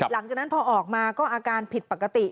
หลังจากนั้นพอออกมาก็อาการผิดปกติ